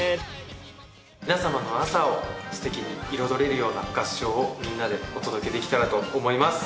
皆様の朝をステキに彩れるような合唱をみんなでお届けできたらと思います